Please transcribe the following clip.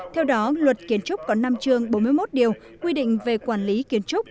theo đó luật kiến trúc có năm chương bốn mươi một điều quy định về quản lý kiến trúc